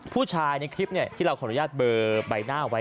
ผู้ชายในคลิปที่เราขออนุญาตเบอร์ใบหน้าเอาไว้